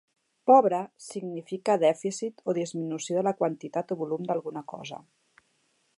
"Pobre" significa dèficit o disminució de la quantitat o volum d'alguna cosa.